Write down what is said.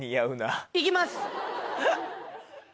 いきます。